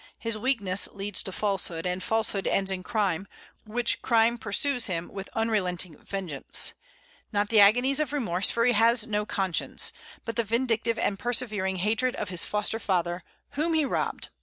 His weakness leads to falsehood, and falsehood ends in crime; which crime pursues him with unrelenting vengeance, not the agonies of remorse, for he has no conscience, but the vindictive and persevering hatred of his foster father, whom he robbed.